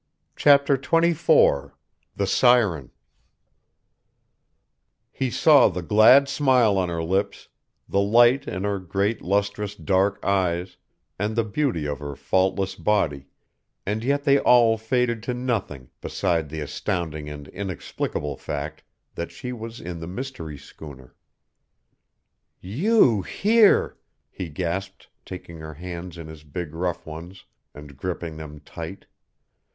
CHAPTER XXIV THE SIREN He saw the glad smile on her lips, the light in her great, lustrous, dark eyes, and the beauty of her faultless body, and yet they all faded to nothing beside the astounding and inexplicable fact that she was in the mystery schooner. "You here!" he gasped, taking her hands in his big rough ones and gripping them tight.